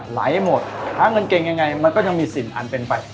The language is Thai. ไหลหมดหาเงินเก่งยังไงมันก็ยังมีสิ่งอันเป็นไป